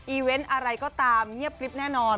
เวนต์อะไรก็ตามเงียบกริ๊บแน่นอน